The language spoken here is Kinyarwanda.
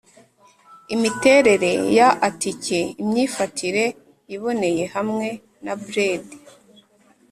imiterere ya atike! imyifatire iboneye! hamwe na brede